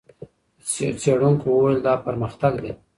څېړونکو وویل، دا پرمختګ دی.